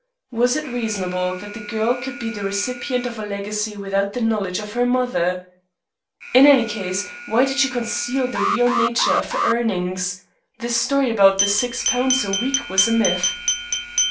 Was it reasonable that the girl could be the recipient of a legacy without the knowledge of her mother? In any case, why did she conceal the real nature of her earnings? The story about "£6 a week" was a myth.